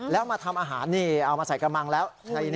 แล้วมาทำอาหารนี่เอามาใส่กระมังแล้ว